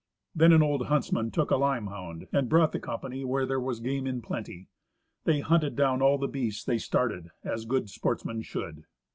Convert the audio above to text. Then an old huntsman took a limehound, and brought the company where there was game in plenty. They hunted down all the beasts they started, as good sportsmen should.